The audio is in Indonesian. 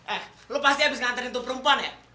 eh lu pasti abis ngantarin tumperempuan ya